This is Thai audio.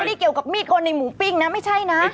เกี่ยวกับมีดคนในหมูปิ้งนะไม่ใช่นะ